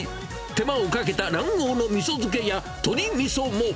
手間をかけた卵黄のみそ漬けや、鶏みそも。